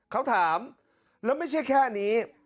เขาถามแล้วไม่ใช่แค่นี้